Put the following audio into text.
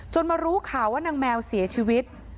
มารู้ข่าวว่านางแมวเสียชีวิต